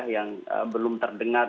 yang belum terdengar